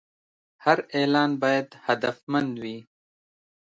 هر اعلان باید هدفمند وي.